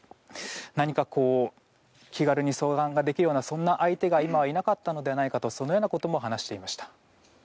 何か、気軽に相談ができるような相手がいなかったのではないかとそのようなことも話していました。